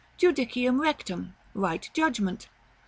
Judicium rectum. Right judgment.